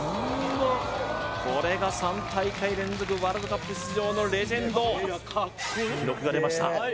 これが３大会連続ワールドカップ出場のレジェンド記録が出ました